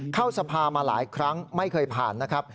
เข้าสภามาหลายครั้งไม่เคยผ่านนะครับ